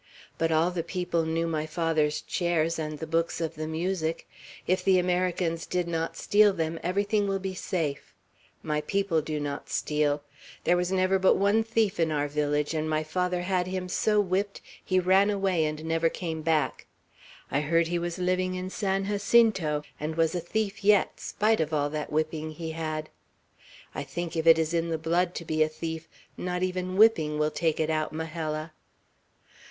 But all the people knew my father's chairs and the books of the music. If the Americans did not steal them, everything will be safe. My people do not steal. There was never but one thief in our village, and my father had him so whipped, he ran away and never came back. I heard he was living in San Jacinto, and was a thief yet, spite of all that whipping he had. I think if it is in the blood to be a thief, not even whipping will take it out, Majella."